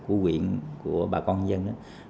của huyện của bà con dân